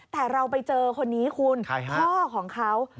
แต่เราไปเจอคนนี้คุณพ่อของเขา